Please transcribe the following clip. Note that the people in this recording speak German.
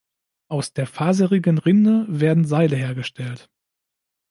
Aus der faserigen Rinde werden Seile hergestellt.